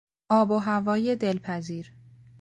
آب و هوای دلپذیر